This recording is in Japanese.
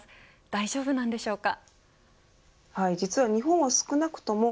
大丈夫なんでしょうか。